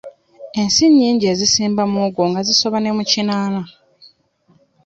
Ensi nnyingi ezisimba muwogo nga zisoba ne mu ekinaana.